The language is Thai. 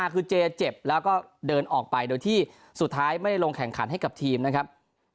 คือเจเจ็บแล้วก็เดินออกไปโดยที่สุดท้ายไม่ได้ลงแข่งขันให้กับทีมนะครับ